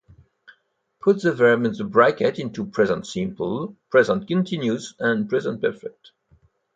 Put the verbs in the bracket into present simple, present continues or present perfect.